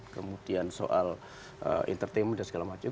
kemudian soal entertainment dan segala macam